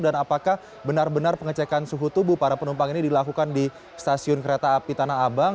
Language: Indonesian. dan apakah benar benar pengecekan suhu tubuh para penumpang ini dilakukan di stasiun kereta api tanah abang